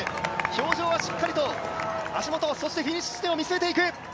表情はしっかりと、足元そしてフィニッシュ地点を見据えていく。